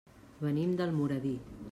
Venim d'Almoradí.